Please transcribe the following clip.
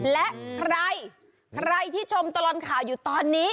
และใครใครที่ชมตลอดข่าวอยู่ตอนนี้